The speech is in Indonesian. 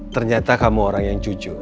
ternyata kamu orang yang cucu